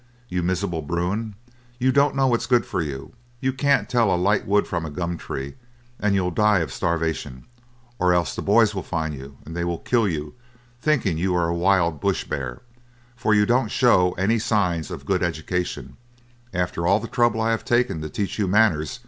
"You miserable Bruin, you don't know what's good for you; you can't tell a light wood from a gum tree, and you'll die of starvation, or else the boys will find you, and they will kill you, thinking you are a wild bush bear, for you don't show any signs of good education, after all the trouble I have taken to teach you manners.